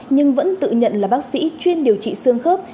nhưng vẫn tự nhận là bác sĩ chuyên điều trị xương khớp